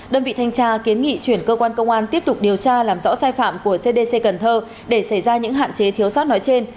đơn vị thanh tra kiến nghị chuyển cơ quan công an tiếp tục điều tra làm rõ sai phạm của cdc cần thơ để xảy ra những hạn chế thiếu sót nói trên